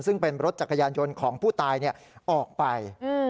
ซึ่งเป็นรถจักรยานยนต์ของผู้ตายออกไป